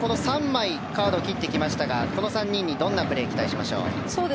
３枚カードを切ってきましたがどんなプレーを期待しましょう。